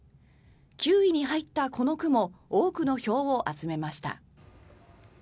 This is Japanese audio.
９位に入ったこの句も多くの票を集めました。